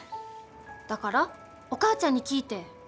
だからお母ちゃんに聞いて。